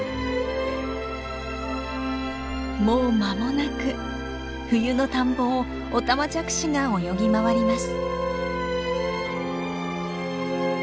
もう間もなく冬の田んぼをオタマジャクシが泳ぎ回ります。